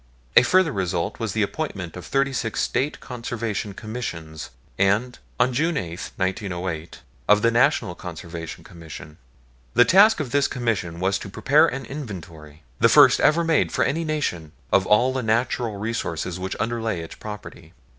A further result was the appointment of thirty six State Conservation Commissions and, on June 8, 1908, of the National Conservation Commission. The task of this Commission was to prepare an inventory, the first ever made for any nation, of all the natural resources which underlay its property.